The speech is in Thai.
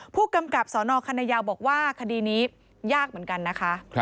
ผู้กำกับสนคณะยาวบอกว่าคดีนี้ยากเหมือนกันนะคะ